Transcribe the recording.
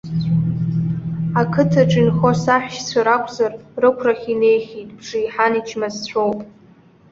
Ақыҭаҿы инхо саҳәшьцәа ракәзар, рықәрахь инеихьеит, бжеиҳан ичмазцәоуп.